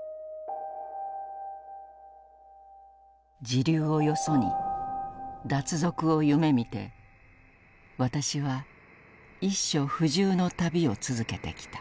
「時流をよそに脱俗を夢見て私は一所不住の旅を続けてきた」。